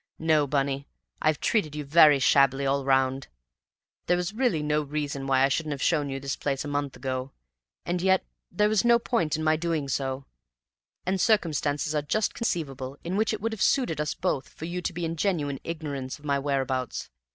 "No, Bunny, I've treated you very shabbily all round. There was really no reason why I shouldn't have shown you this place a month ago, and yet there was no point in my doing so, and circumstances are just conceivable in which it would have suited us both for you to be in genuine ignorance of my whereabouts.